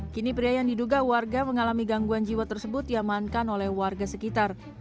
kini pria yang diduga warga mengalami gangguan jiwa tersebut diamankan oleh warga sekitar